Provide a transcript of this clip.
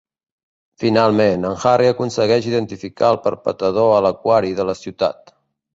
Finalment, en Harry aconsegueix identificar el perpetrador a l'aquari de la ciutat.